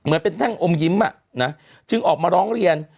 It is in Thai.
เหมือนเป็นแท่งอมยิ้มจึงออกมาร้องเรียน